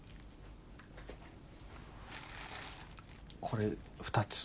これ２つ。